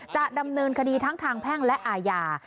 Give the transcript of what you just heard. จะดำเนินคดีทั้งทางแพ่งและอาญา